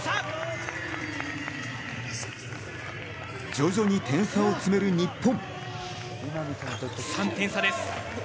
徐々に点差を詰める日本。